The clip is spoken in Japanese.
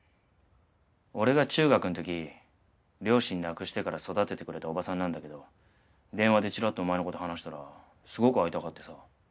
俺が中学の時両親亡くしてから育ててくれた伯母さんなんだけど電話でチラッとお前の事話したらすごく会いたがってさ。